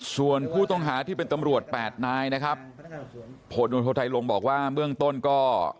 ส่วนผู้ต้องหาที่เป็นตำรวจแปดนายนะครับผลโทษไทยลงบอกว่าเบื้องต้นก็